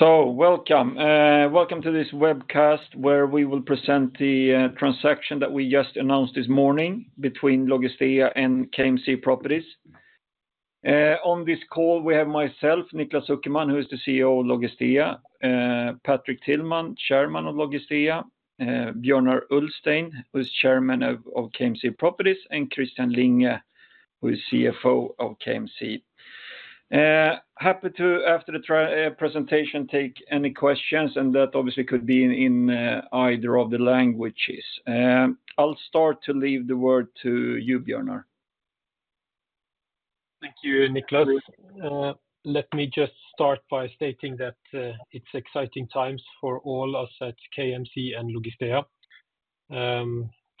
So welcome, welcome to this webcast where we will present the transaction that we just announced this morning between Logistea and KMC Properties. On this call, we have myself, Niklas Zuckerman, who is the CEO of Logistea, Patrik Tillman, chairman of Logistea, Bjørnar Ulstein, who is chairman of KMC Properties, and Christian Linge, who is CFO of KMC. Happy to, after the presentation, take any questions, and that obviously could be in either of the languages. I'll start to leave the word to you, Bjørnar. Thank you, Niklas. Let me just start by stating that it's exciting times for all us at KMC and Logistea.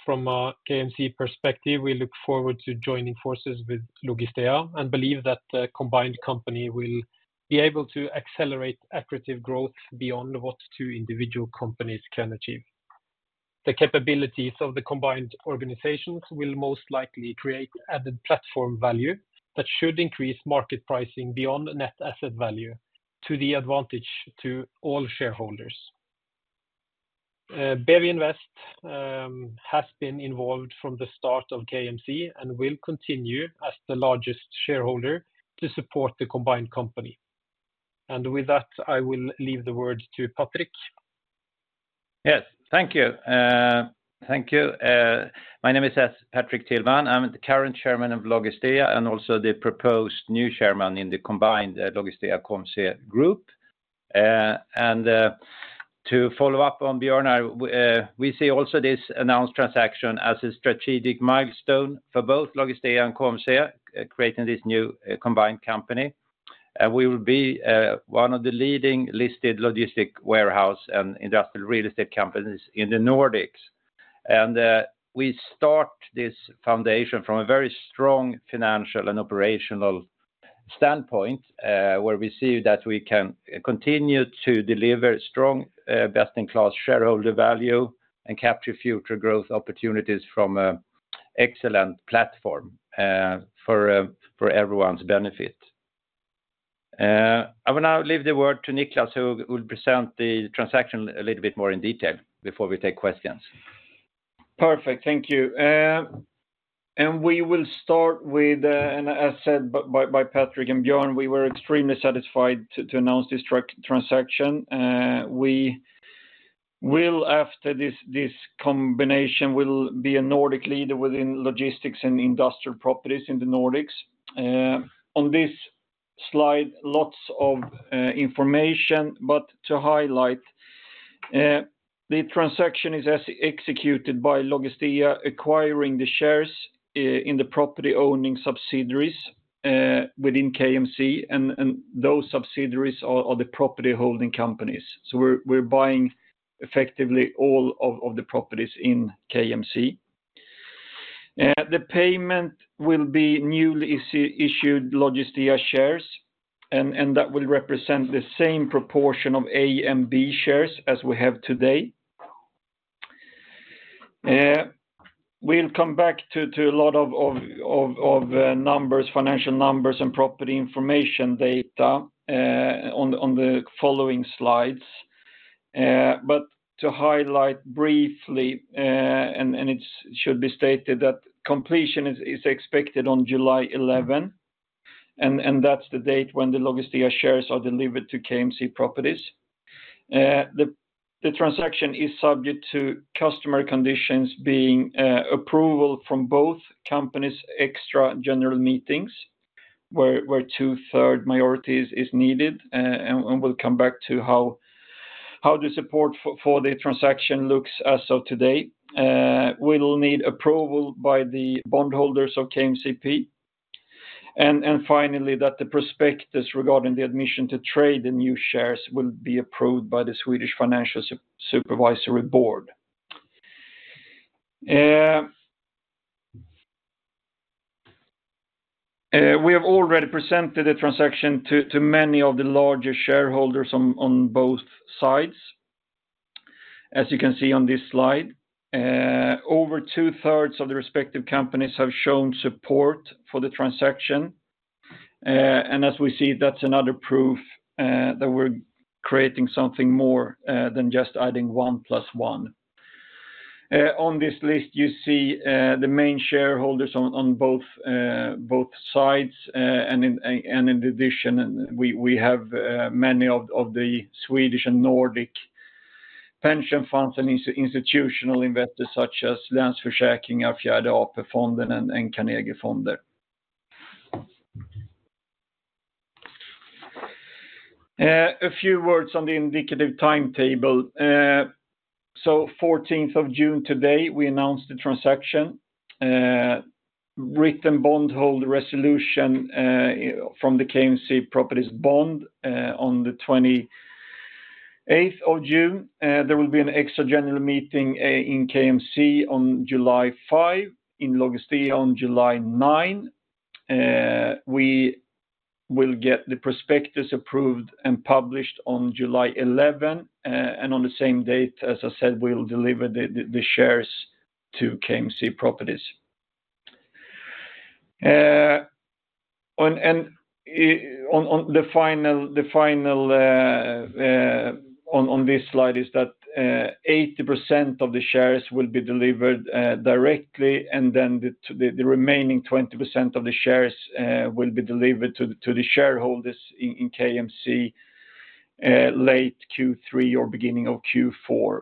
From a KMC perspective, we look forward to joining forces with Logistea, and believe that the combined company will be able to accelerate accretive growth beyond what two individual companies can achieve. The capabilities of the combined organizations will most likely create added platform value that should increase market pricing beyond the net asset value to the advantage to all shareholders. BEWI Invest has been involved from the start of KMC, and will continue as the largest shareholder to support the combined company. With that, I will leave the word to Patrik. Yes, thank you. Thank you. My name is Patrik Tillman. I'm the current Chairman of Logistea, and also the proposed new Chairman in the combined Logistea-KMC Group. To follow up on Bjørnar, we see also this announced transaction as a strategic milestone for both Logistea and KMC, creating this new combined company. We will be one of the leading listed logistics warehouse and industrial real estate companies in the Nordics. We start this foundation from a very strong financial and operational standpoint, where we see that we can continue to deliver strong best-in-class shareholder value and capture future growth opportunities from excellent platform for everyone's benefit. I will now leave the word to Niklas, who will present the transaction a little bit more in detail before we take questions. Perfect. Thank you. We will start with, as said by Patrik and Bjørnar, we were extremely satisfied to announce this transaction. After this combination, we will be a Nordic leader within logistics and industrial properties in the Nordics. On this slide, lots of information, but to highlight, the transaction is as executed by Logistea acquiring the shares in the property owning subsidiaries within KMC, and those subsidiaries are the property holding companies. So we're buying effectively all of the properties in KMC. The payment will be newly issued Logistea shares, and that will represent the same proportion of A and B shares as we have today. We'll come back to a lot of numbers, financial numbers and property information data on the following slides. But to highlight briefly, and it's should be stated that completion is expected on July 11, and that's the date when the Logistea shares are delivered to KMC Properties. The transaction is subject to customary conditions being approval from both companies' extraordinary general meetings, where 2/3 majorities is needed, and we'll come back to how the support for the transaction looks as of today. We'll need approval by the bondholders of KMCP, and finally, that the prospectus regarding the admission to trade the new shares will be approved by the Swedish Financial Supervisory Board. We have already presented a transaction to many of the larger shareholders on both sides. As you can see on this slide, Over 2/3 of the respective companies have shown support for the transaction. And as we see, that's another proof that we're creating something more than just adding one plus one. On this list, you see the main shareholders on both sides, and in addition, we have many of the Swedish and Nordic pension funds and institutional investors such as Länsförsäkringar, Fjärde AP-fonden, and Carnegie Fonder. A few words on the indicative timetable. So 14th of June, today, we announced the transaction. Written bondholder resolution from the KMC Properties bond on the 28th of June. There will be an extra general meeting in KMC on July 5, in Logistea on July 9. We will get the prospectus approved and published on July 11, and on the same date, as I said, we'll deliver the shares to KMC Properties. And on this slide is that 80% of the shares will be delivered directly, and then the remaining 20% of the shares will be delivered to the shareholders in KMC, late Q3 or beginning of Q4.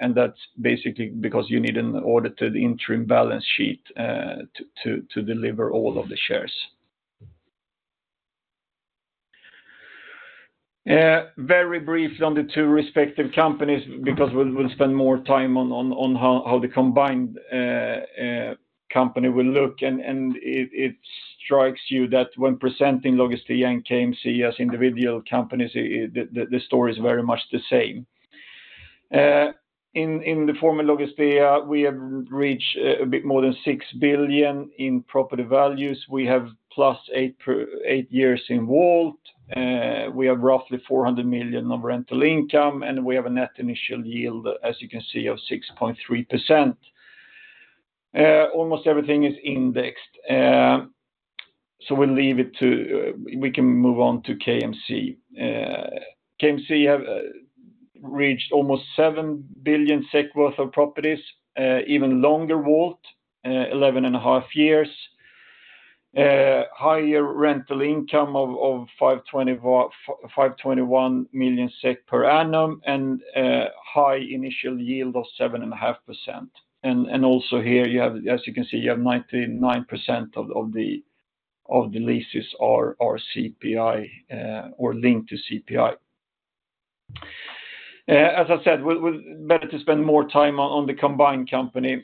And that's basically because you need an audited interim balance sheet to deliver all of the shares. Very brief on the two respective companies, because we'll spend more time on how the combined company will look. It strikes you that when presenting Logistea and KMC as individual companies, the story is very much the same. In the former Logistea, we have reached a bit more than 6 billion in property values. We have +8 years in WALT. We have roughly 400 million of rental income, and we have a net initial yield, as you can see, of 6.3%. Almost everything is indexed. We can move on to KMC. KMC have reached almost 7 billion SEK worth of properties, even longer WALT, 11.5 years. Higher rental income of 521 million SEK per annum, and high initial yield of 7.5%. And also here, you have, as you can see, you have 99% of the leases are CPI or linked to CPI. As I said, better to spend more time on the combined company,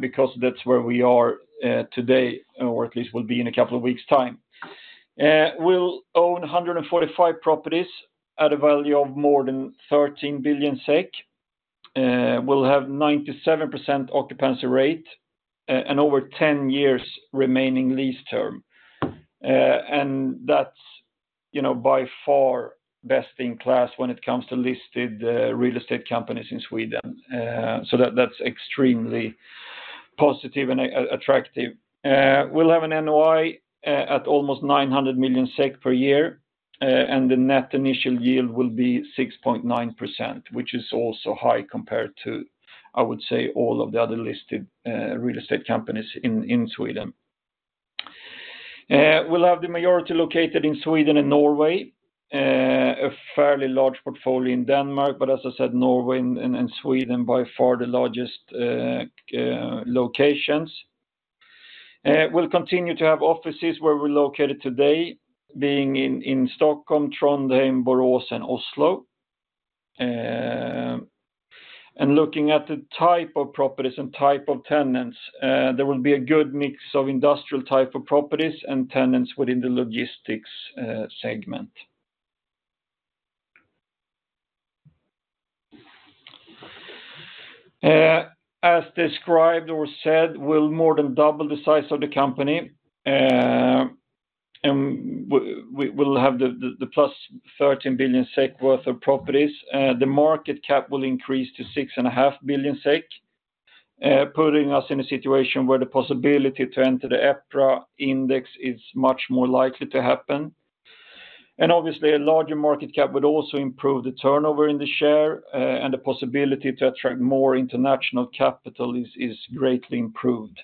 because that's where we are today, or at least will be in a couple of weeks' time. We'll own 145 properties at a value of more than 13 billion SEK. We'll have 97% occupancy rate, and over 10 years remaining lease term. And that's, you know, by far best in class when it comes to listed real estate companies in Sweden. So that, that's extremely positive and attractive. We'll have an NOI at almost 900 million SEK per year, and the net initial yield will be 6.9%, which is also high compared to, I would say, all of the other listed real estate companies in Sweden. We'll have the majority located in Sweden and Norway, a fairly large portfolio in Denmark, but as I said, Norway and Sweden, by far the largest locations. We'll continue to have offices where we're located today, being in Stockholm, Trondheim, Borås, and Oslo. And looking at the type of properties and type of tenants, there will be a good mix of industrial type of properties and tenants within the logistics segment. As described or said, we'll more than double the size of the company, and we'll have the +13 billion SEK worth of properties. The market cap will increase to 6.5 billion SEK, putting us in a situation where the possibility to enter the EPRA Index is much more likely to happen. And obviously, a larger market cap would also improve the turnover in the share, and the possibility to attract more international capital is greatly improved.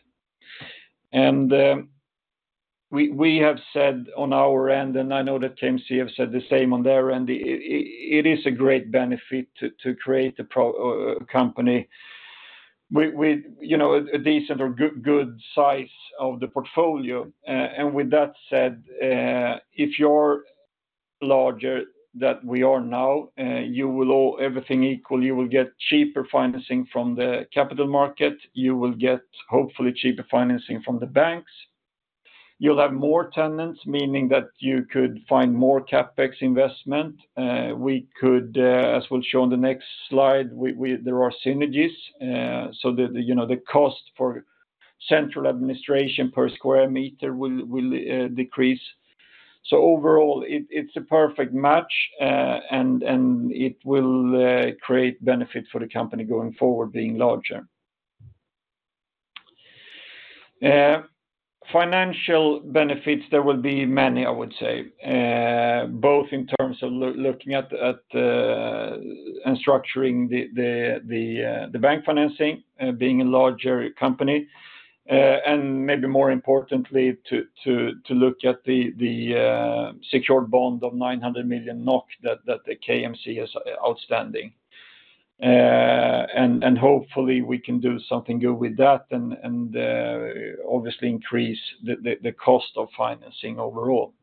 We have said on our end, and I know that KMC have said the same on their end, it is a great benefit to create a proper company with, you know, a decent or good size of the portfolio. And with that said, if you're larger than we are now, you will owe everything equal. You will get cheaper financing from the capital market. You will get, hopefully, cheaper financing from the banks. You'll have more tenants, meaning that you could find more CapEx investment. We could, as we'll show on the next slide, there are synergies, so the, you know, the cost for central administration per square meter will decrease. So overall, it, it's a perfect match, and it will create benefit for the company going forward, being larger. Financial benefits, there will be many, I would say, both in terms of looking at and structuring the bank financing, being a larger company, and maybe more importantly, to look at the secured bond of 900 million NOK that KMC has outstanding. And hopefully, we can do something good with that and obviously increase the cost of financing overall.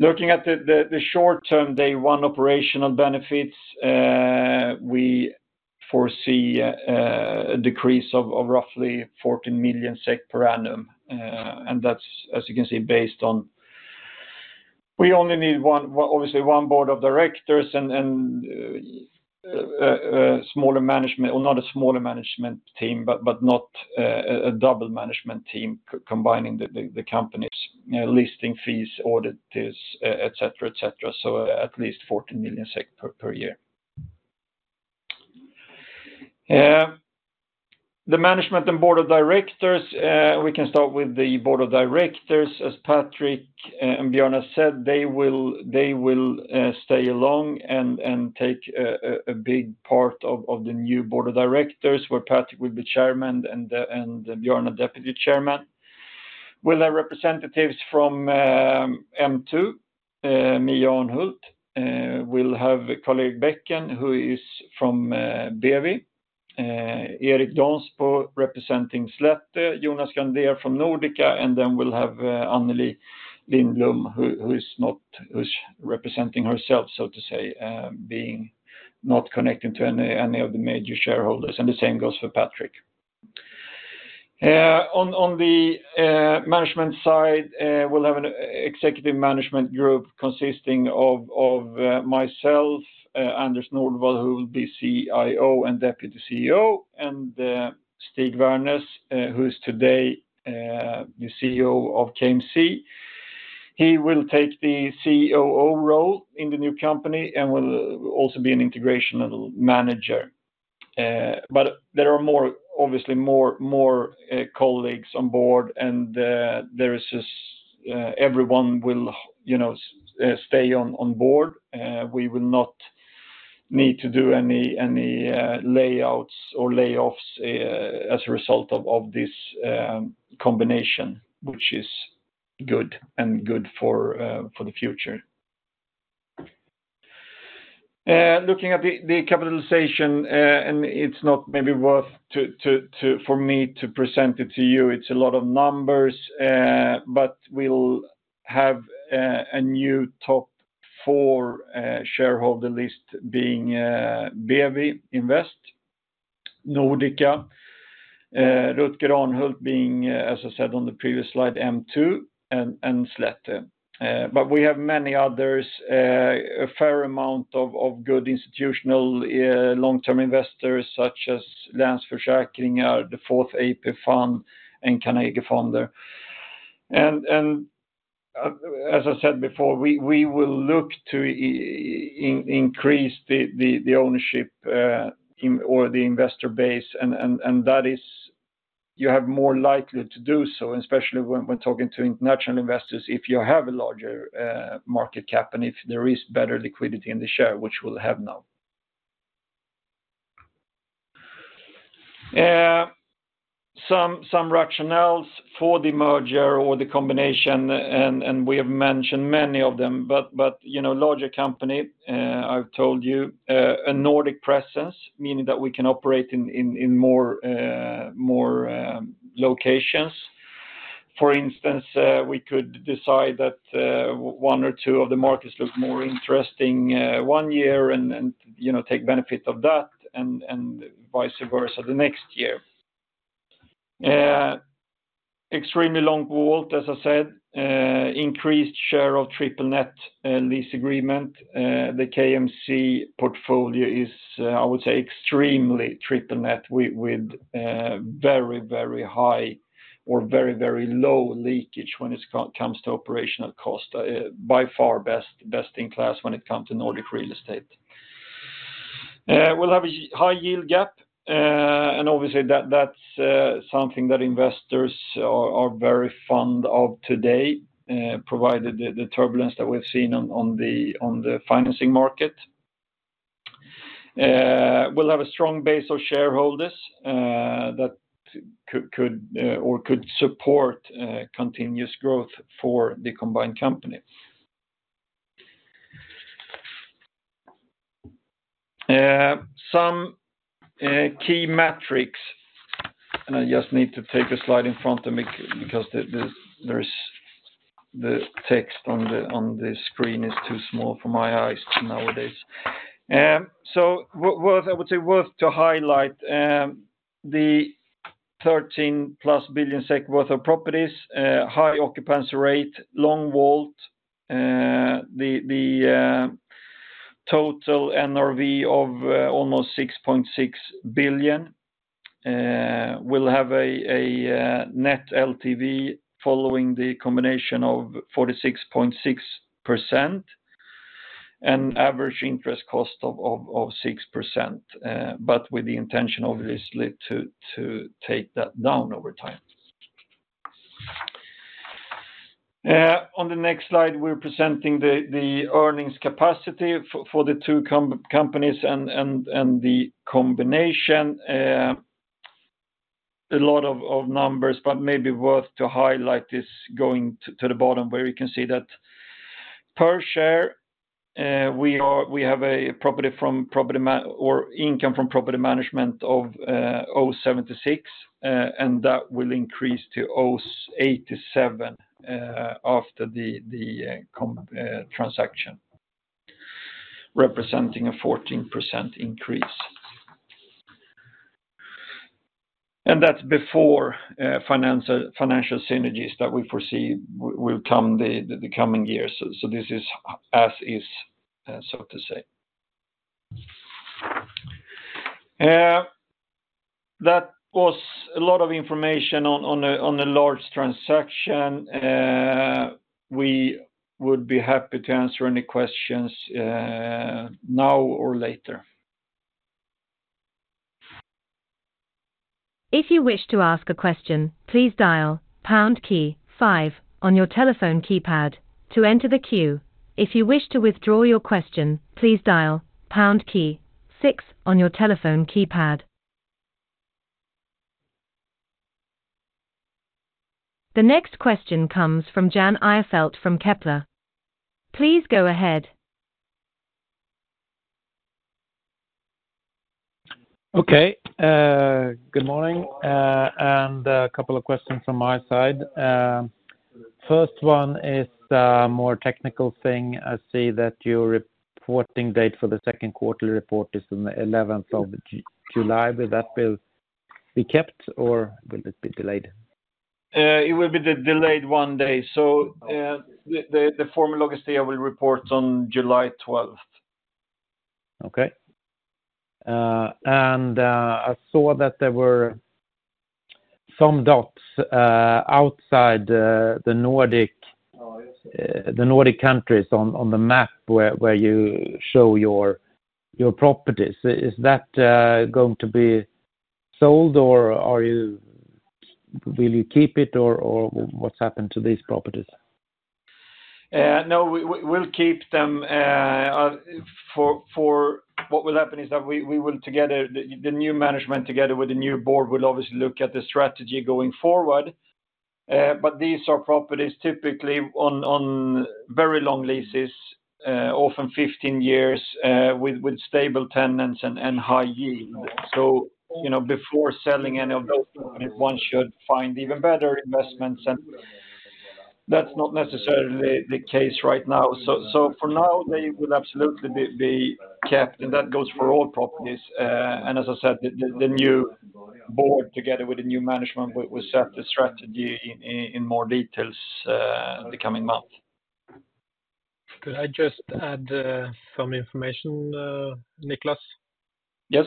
Looking at the short-term day one operational benefits, we foresee a decrease of roughly 14 million SEK per annum, and that's, as you can see, based on. We only need one, well, obviously, one board of directors and a smaller management, or not a smaller management team, but not a double management team combining the companies, listing fees, auditors, et cetera, et cetera. So at least 14 million SEK per year. Yeah. The management and board of directors, we can start with the board of directors. As Patrik and Bjørnar said, they will stay along and take a big part of the new board of directors, where Patrik will be Chairman and Bjørnar, Deputy Chairman. We'll have representatives from M2, Mia Arnhult. We'll have Karl-Erik Bekken, who is from BEWI, Erik Dansbo representing Slättö, Jonas Grandér from Nordika, and then we'll have Anneli Lindblom, who's representing herself, so to say, being not connecting to any of the major shareholders, and the same goes for Patrik. On the management side, we'll have an executive management group consisting of myself, Anders Nordvall, who will be CIO and Deputy CEO, and Stig Wærnes, who is today the CEO of KMC. He will take the COO role in the new company and will also be an Integrational Manager. But there are more, obviously, more colleagues on board, and there is just everyone will, you know, stay on board. We will not need to do any layouts or layoffs as a result of this combination, which is good, and good for the future. Looking at the capitalization, and it's not maybe worth for me to present it to you. It's a lot of numbers, but we'll have a new top four shareholder list being BEWI Invest, Nordika, Rutger Arnhult being, as I said on the previous slide, M2, and Slättö. But we have many others, a fair amount of good institutional long-term investors, such as Länsförsäkringar, the Fjärde AP-fonden, and Carnegie Fonder. As I said before, we will look to increase the ownership in or the investor base, and that is you have more likely to do so, especially when we're talking to international investors, if you have a larger market cap and if there is better liquidity in the share, which we'll have now. Some rationales for the merger or the combination, and we have mentioned many of them, but you know, larger company, I've told you a Nordic presence, meaning that we can operate in more locations. For instance, we could decide that one or two of the markets look more interesting one year and you know take benefit of that, and vice versa the next year. Extremely long WALT, as I said, increased share of triple net lease agreement. The KMC portfolio is, I would say, extremely triple net with very, very high or very, very low leakage when it comes to operational cost. By far, best in class when it comes to Nordic real estate. We'll have a high yield gap, and obviously, that's something that investors are very fond of today, provided the turbulence that we've seen on the financing market. We'll have a strong base of shareholders that could support continuous growth for the combined company. Some key metrics, and I just need to take a slide in front of me because there is. The text on the, on the screen is too small for my eyes nowadays. So worth, I would say, worth to highlight the 13+ billion SEK worth of properties, high occupancy rate, long WALT, the total NRV of almost 6.6 billion. We'll have a net LTV following the combination of 46.6%, and average interest cost of 6%, but with the intention, obviously, to take that down over time. On the next slide, we're presenting the earnings capacity for the two companies and the combination. A lot of numbers, but maybe worth to highlight is going to the bottom, where you can see that per share, we have income from property management of 0.76, and that will increase to 0.87 after the transaction, representing a 14% increase. And that's before financial synergies that we foresee will come the coming years. So this is as is, so to say. That was a lot of information on a large transaction. We would be happy to answer any questions now or later. If you wish to ask a question, please dial pound key five on your telephone keypad to enter the queue. If you wish to withdraw your question, please dial pound key six on your telephone keypad. The next question comes from Jan Ihrfelt from Kepler. Please go ahead. Okay, good morning, and a couple of questions from my side. First one is, more technical thing. I see that your reporting date for the second quarterly report is on the 11th of July. Will that be kept or will it be delayed? It will be delayed one day. So, the former Logistea will report on July 12th. Okay. I saw that there were some dots outside the Nordics. The Nordic countries on the map where you show your properties. Is that going to be sold, or will you keep it, or what's happened to these properties? No, we'll keep them. For what will happen is that we will together, the new management together with the new board, will obviously look at the strategy going forward. But these are properties typically on very long leases, often 15 years, with stable tenants and high yield. So, you know, before selling any of those, one should find even better investments, and that's not necessarily the case right now. So for now, they will absolutely be kept, and that goes for all properties. And as I said, the new board, together with the new management, will set the strategy in more details, the coming months. Could I just add some information, Niklas? Yes.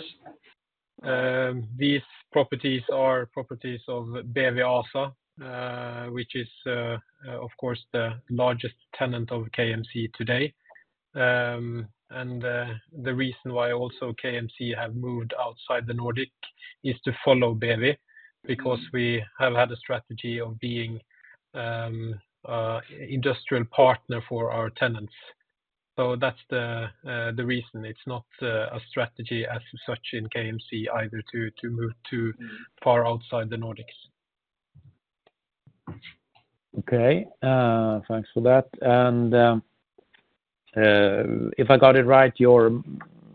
These properties are properties of BEWI ASA, which is, of course, the largest tenant of KMC today. And, the reason why also KMC have moved outside the Nordics is to follow BEWI, because we have had a strategy of being industrial partner for our tenants. So that's the reason. It's not a strategy as such in KMC either to move too far outside the Nordics. Okay, thanks for that. And if I got it right, your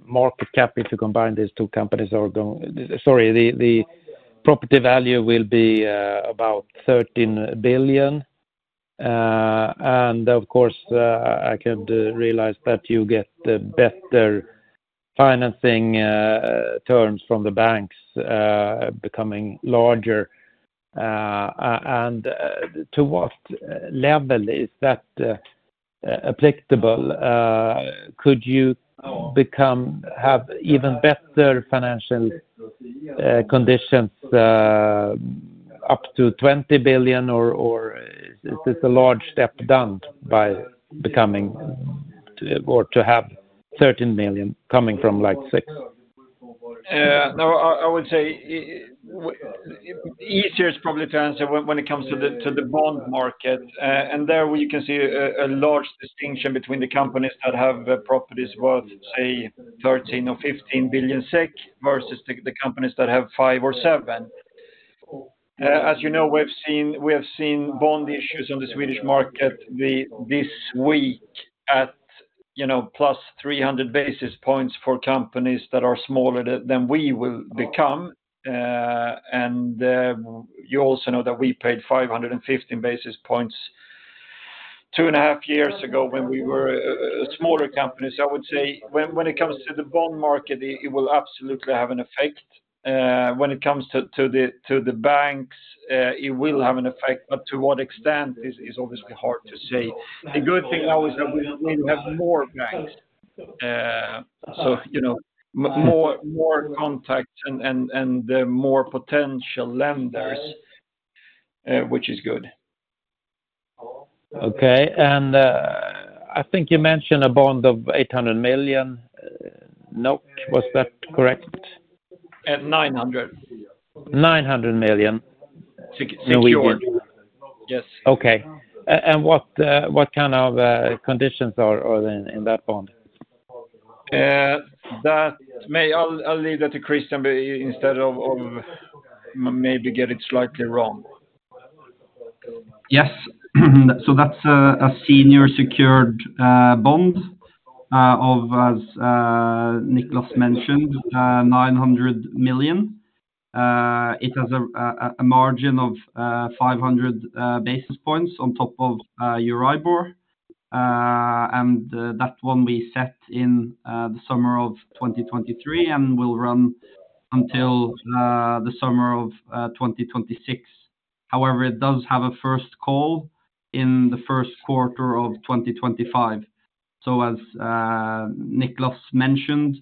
market cap, if you combine these two companies, are going, sorry, the property value will be about 13 billion. And of course, I could realize that you get the better financing terms from the banks becoming larger. And to what level is that applicable? Could you become, have even better financial conditions up to 20 billion, or is this a large step down by becoming, or to have 13 billion coming from, like, 6 billion? No, I would say easier is probably to answer when it comes to the bond market. And there you can see a large distinction between the companies that have properties worth, say, 13 billion or 15 billion SEK, versus the companies that have 5 billion or 7 billion. As you know, we have seen bond issues on the Swedish market this week at, you know, +300 basis points for companies that are smaller than we will become. And you also know that we paid 550 basis points two and a half years ago when we were a smaller company. So I would say, when it comes to the bond market, it will absolutely have an effect. When it comes to the banks, it will have an effect, but to what extent is obviously hard to say. The good thing, though, is that we will have more banks. So, you know, more contacts and more potential lenders, which is good. Okay. And, I think you mentioned a bond of 800 million. Was that correct? 900 million. 900 million. Secured. Yes. Okay. And what kind of conditions are there in that bond? I'll leave that to Christian instead of maybe getting it slightly wrong. Yes. So that's a senior secured bond of, as Niklas mentioned, 900 million. It has a margin of 500 basis points on top of Euribor. And that one we set in the summer of 2023, and will run until the summer of 2026. However, it does have a first call in the first quarter of 2025. So as Niklas mentioned,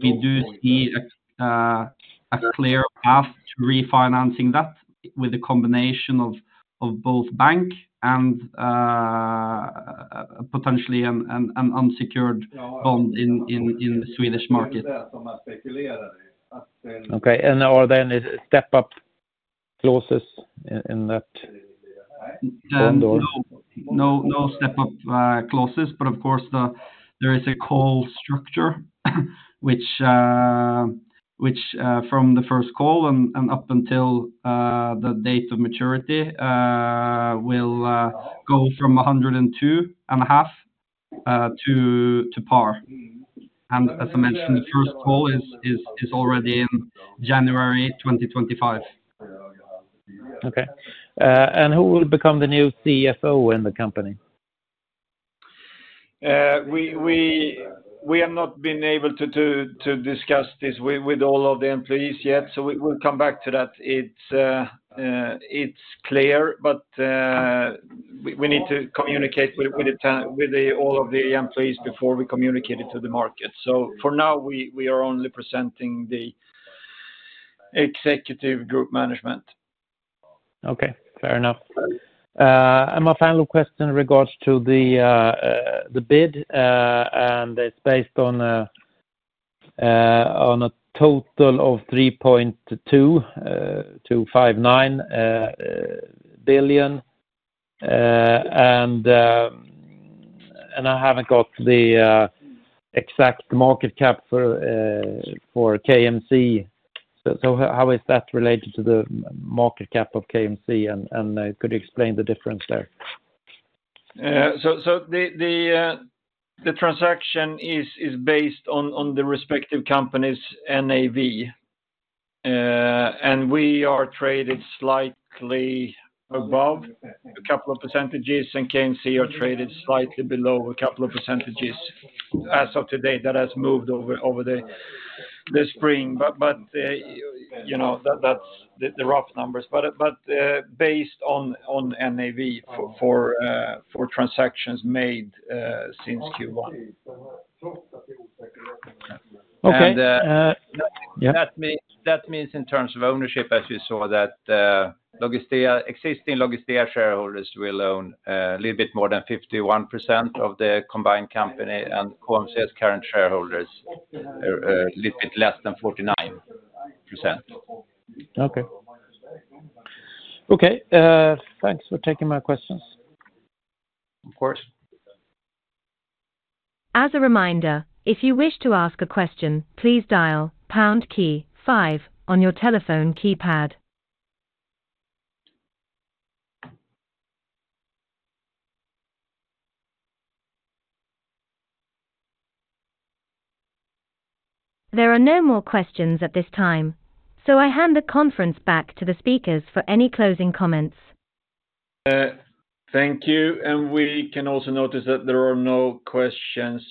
we do see a clear path to refinancing that with a combination of both bank and potentially an unsecured bond in the Swedish market. Okay. And are there any step-up clauses in that bond or? No, no step up clauses, but of course, there is a call structure, which, from the first call and up until the date of maturity, will go from 102.5 to par. And as I mentioned, the first call is already in January 2025. Okay. And who will become the new CFO in the company? We have not been able to discuss this with all of the employees yet, so we'll come back to that. It's clear, but we need to communicate with all of the employees before we communicate it to the market. So for now, we are only presenting the executive group management. Okay, fair enough. And my final question in regards to the bid, and it's based on a total of 3.259 billion. And I haven't got the exact market cap for KMC. So how is that related to the market cap of KMC, and could you explain the difference there? So the transaction is based on the respective companies' NAV. And we are traded slightly above a couple of percentages, and KMC are traded slightly below a couple of percentages. As of today, that has moved over the spring. But you know, that's the rough numbers. But based on NAV for transactions made since Q1. Okay, yeah. That means in terms of ownership, as you saw, that Logistea, existing Logistea shareholders will own a little bit more than 51% of the combined company, and KMC's current shareholders are a little bit less than 49%. Okay. Okay, thanks for taking my questions. Of course. As a reminder, if you wish to ask a question, please dial pound key five on your telephone keypad. There are no more questions at this time, so I hand the conference back to the speakers for any closing comments. Thank you. And we can also notice that there are no questions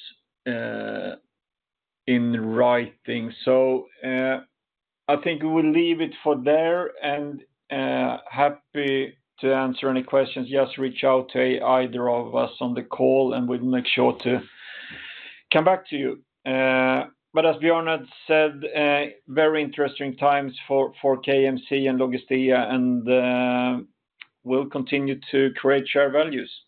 in writing. So, I think we will leave it for there, and happy to answer any questions. Just reach out to either of us on the call, and we'll make sure to come back to you. But as Bjørn had said, very interesting times for KMC and Logistea, and we'll continue to create share values.